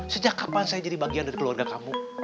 sejak kapan saya jadi bagian dari keluarga kamu